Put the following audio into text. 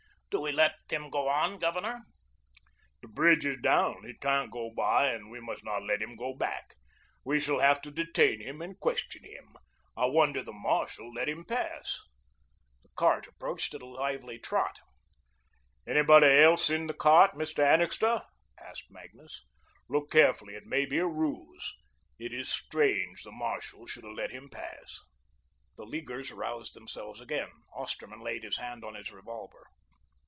"Do we let him go on, Governor?" "The bridge is down. He can't go by and we must not let him go back. We shall have to detain him and question him. I wonder the marshal let him pass." The cart approached at a lively trot. "Anybody else in that cart, Mr. Annixter?" asked Magnus. "Look carefully. It may be a ruse. It is strange the marshal should have let him pass." The Leaguers roused themselves again. Osterman laid his hand on his revolver.